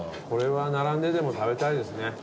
これは並んででも食べたいですね。